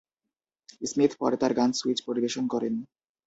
Smith পরে তার গান "সুইচ" পরিবেশন করেন।